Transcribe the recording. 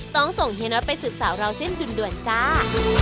ต้องส่งเฮียน็อตไปสืบสาวราวเส้นด่วนจ้า